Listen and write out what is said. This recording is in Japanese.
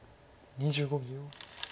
２５秒。